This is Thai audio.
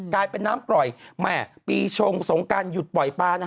กลายเป็นน้ำกร่อยแม่ปีชงสงกันหยุดป่อยป่า